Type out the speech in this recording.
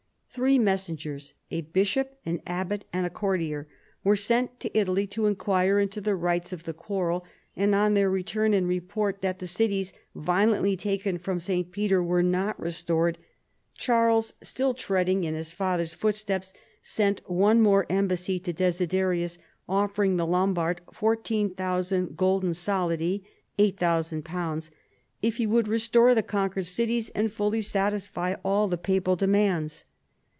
Three messengers, a bishop, an abbot, and a courtier, were sent to Italy to inquire into the rights of the quarrel, and on their return and report that the cities violently taken from St. Peter were not restored, Charles, still treading in his father's footsteps, sent one more embassy to Des iderius, offering the Lombard 14,000 golden solidi (£8000) if he would restore the conquered cities, and fully satisfy all the Papal demands.